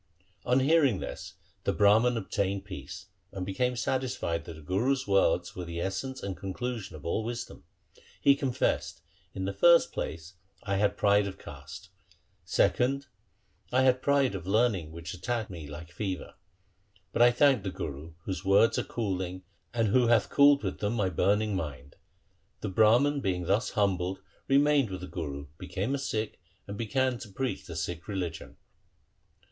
1 On hearing this the Brahman obtained peace, and became satisfied that the Guru's words were the essence and conclusion of all wisdom. He confessed, ' In the first place, I had pride of caste ; secondly, I had pride of learning which attacked me like fever ; but I thank the Guru, whose words are cooling, and who hath cooled with them my burning mind.' The Brahman being thus humbled remained with the Guru, became a Sikh, and began to preach the Sikh religion.